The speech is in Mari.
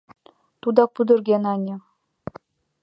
Тудак пудырген, ане.